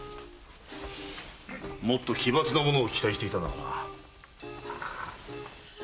もっと奇抜なものを期待していたのだが。